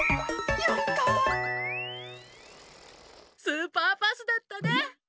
スーパーパスだったね！